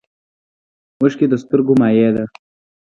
اوښکې د سترګو مایع ده